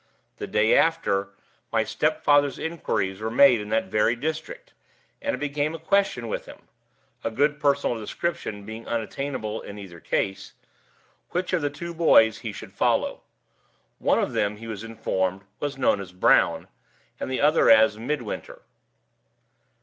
The day after, my stepfather's inquiries were made in that very district, and it became a question with him (a good personal description being unattainable in either case) which of the two boys he should follow. One of them, he was informed, was known as "Brown," and the other as "Midwinter."